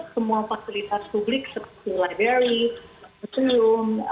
semua fasilitas publik seperti laderwi museum